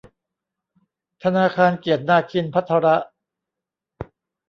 ธนาคารเกียรตินาคินภัทร